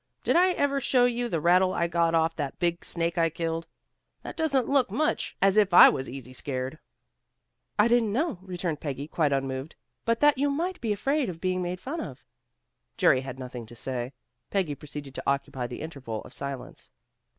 Did I ever show you the rattle I got off that big snake I killed? That doesn't look much as if I was easy scared." "I didn't know," returned Peggy, quite unmoved, "but that you might be afraid of being made fun of." Jerry had nothing to say. Peggy proceeded to occupy the interval of silence.